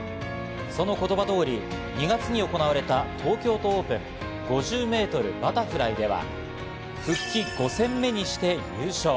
その言葉通り、２月に行われた、東京都オープン５０ｍバタフライでは復帰５戦目にして優勝。